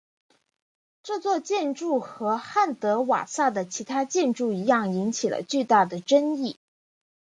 这座建筑和汉德瓦萨的其他建筑一样引起了巨大的争议。